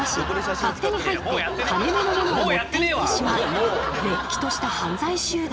勝手に入って金めのものを持って行ってしまうれっきとした犯罪集団。